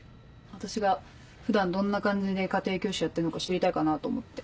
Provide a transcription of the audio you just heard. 私が普段どんな感じで家庭教師やってんのか知りたいかなと思って。